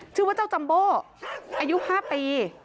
ชื่อว่าเจ้าจัมโบอายุ๕ปี